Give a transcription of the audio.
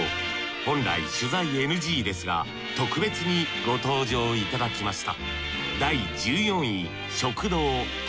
本来取材ＮＧですが特別にご登場いただきました